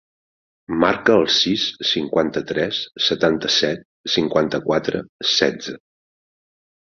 Marca el sis, cinquanta-tres, setanta-set, cinquanta-quatre, setze.